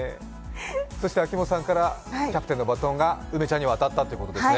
そして秋元さんからキャプテンのバトンが梅ちゃんにわたったってことですね？